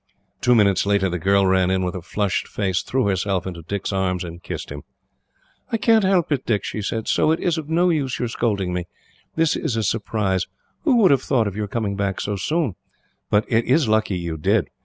Two minutes later the girl ran in with a flushed face, threw herself into Dick's arms, and kissed him. "I can't help it, Dick," she said, "so it is of no use your scolding me. This is a surprise. Who would have thought of your coming back so soon? But it is lucky you did.